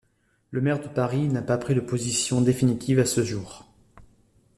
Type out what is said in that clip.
Le Maire de Paris n'a pas pris de position définitive à ce jour.